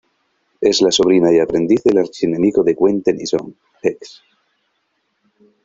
Es la sobrina y aprendiz del archienemigo de Gwen Tennyson, Hex.